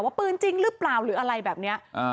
ว่าปืนจริงหรือเปล่าหรืออะไรแบบนี้